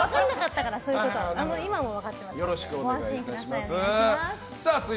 今は分かってますのでご安心ください。